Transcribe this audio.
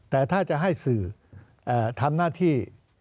แต่ถ้าจะให้สื่อทำหน้าที่